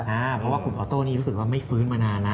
เพราะว่าคุณออโต้นี่รู้สึกว่าไม่ฟื้นมานานนะ